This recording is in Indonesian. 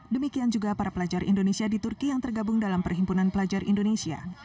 demikian juga para pelajar indonesia di turki yang tergabung dalam perhimpunan pelajar indonesia